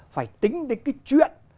phải tính đến cái chuyện